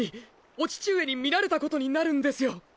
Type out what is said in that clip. お父上に見られたことになるんですよ！